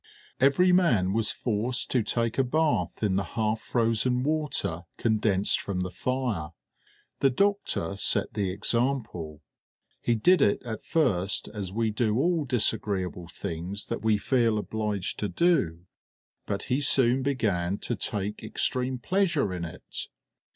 Every man was forced to take a bath in the half frozen water condensed from the fire. The doctor set the example; he did it at first as we do all disagreeable things that we feel obliged to do, but he soon began to take extreme pleasure in it.